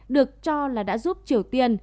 được cho là đã giúp triều tiên